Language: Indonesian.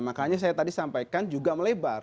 makanya saya tadi sampaikan juga melebar